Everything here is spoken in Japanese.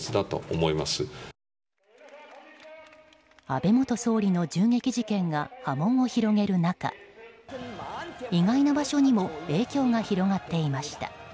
安倍元総理の銃撃事件が波紋を広げる中意外な場所にも影響が広がっていました。